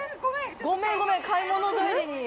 ごめんごめん買い物帰りに。